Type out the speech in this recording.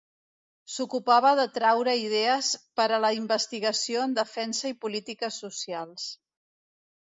S'ocupava de traure idees per a la investigació en defensa i polítiques socials.